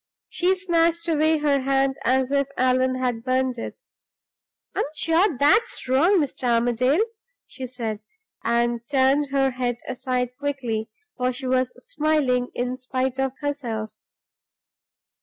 She snatched away her hand as if Allan had burned it. "I'm sure that's wrong, Mr. Armadale," she said, and turned her head aside quickly, for she was smiling in spite of herself.